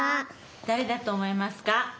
だれだとおもいますか？